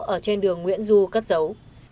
ở trên đường nguyễn du cất dấu